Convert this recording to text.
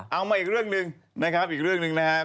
เอามาอีกเรื่องนึงนะครับอีกเรื่องนึงนะฮะ